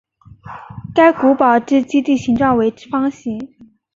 该古堡之基地形状为方形。